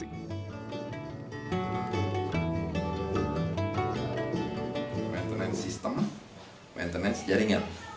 maintenance system maintenance jaringan